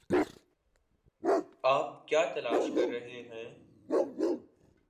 آپ کیا تلاش کر رہے ہیں؟